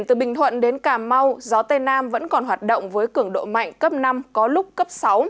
từ cà mau gió tây nam vẫn còn hoạt động với cường độ mạnh cấp năm có lúc cấp sáu